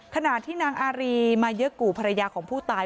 ขณะที่นางอารีมาเยอะกู่ภรรยาของผู้ตาย